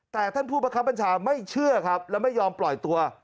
แต่ท่านผู้ประคับบัญชาไม่เชื่อครับและไม่ยอมปล่อยตัว